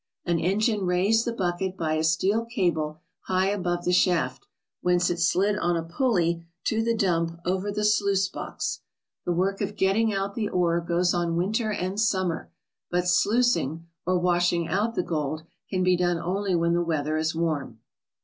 An engine raised the bucket by a steel cable high above the shaft, whence it slid on a pulley to the dump over the sluice box. The work of getting out the ore goes on winter and summer, but sluicing, or washing out the gold, can be done only when the weather is warm.